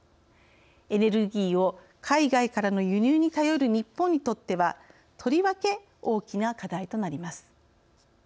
エネルギーを海外からの輸入に頼る日本にとってはとりわけ大きな課題となります。